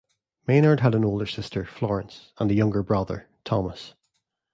Maynard had an older sister, Florence, and a younger brother, Thomas.